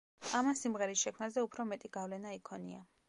ამან სიმღერის შექმნაზე უფრო მეტი გავლენა იქონია.